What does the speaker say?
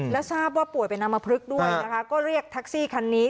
และทราบว่าป่วยเป็นอำมพลึกด้วยนะคะก็เรียกแท็กซี่คันนี้